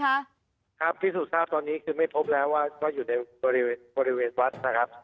คะครับที่สุดท้าตอนนี้คือไม่พบแล้วว่าก็อยู่ในบริเวณวัด